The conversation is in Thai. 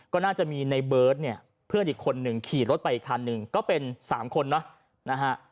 ก็น่าจะมีในเบิร์ตเนี่ยเพื่อนอีกคนหนึ่งขี่รถไปอีกคันหนึ่งก็เป็นสามคนเนอะนะฮะ